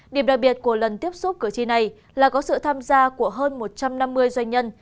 điểm đặc biệt của lần tiếp xúc cử tri này là có sự tham gia của hơn một trăm năm mươi doanh nhân